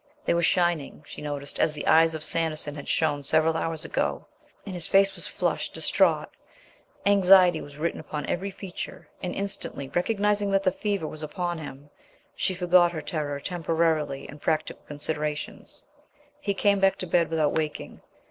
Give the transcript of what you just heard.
They were shining, she noticed, as the eyes of Sanderson had shone several hours ago; and his face was flushed, distraught. Anxiety was written upon every feature. And, instantly, recognizing that the fever was upon him, she forgot her terror temporarily in practical considerations. He came back to bed without waking.